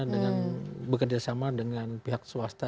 dengan bekerjasama dengan pihak swasta